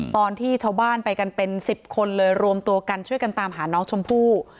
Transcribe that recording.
ตอนที่ชาวบ้านไปกันเป็น๑๐คนเลยรวมตัวกันช่วยกันตามหาน้องชมพู่